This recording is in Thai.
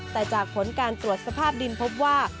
แต่จากผลการตรวจสภาพดินพบว่า